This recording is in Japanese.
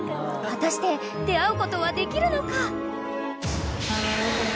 ［果たして出合うことはできるのか？］